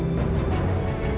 enggak ada kok